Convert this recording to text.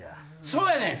そうやねん！